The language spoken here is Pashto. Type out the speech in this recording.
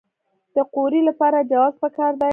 د قوریې لپاره جواز پکار دی؟